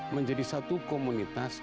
menjadi satu komunitas